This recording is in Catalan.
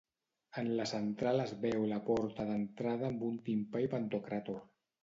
En la central es veu la porta d'entrada amb un timpà i Pantocràtor.